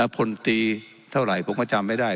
พลตีเท่าไหร่ผมก็จำไม่ได้